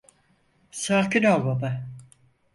Sakin ol baba.